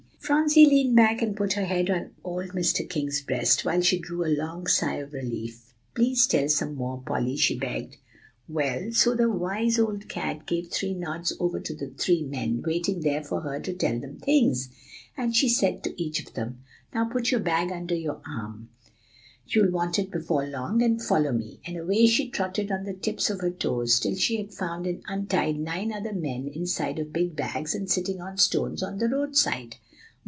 Phronsie leaned back and put her head on old Mr. King's breast, while she drew a long sigh of relief. "Please tell some more, Polly," she begged. "Well, so the wise old cat gave three nods over to the three men waiting there for her to tell them things, and she said to each of them, 'Now put your bag under your arm, you'll want it before long, and follow me;' and away she trotted on the tips of her toes, till she had found and untied nine other men inside of big bags, and sitting on stones on the roadside.